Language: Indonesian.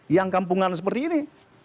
yang kampungan seperti ini